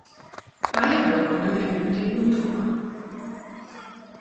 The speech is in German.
Beide Wirkungen erhöhen den Blutdruck.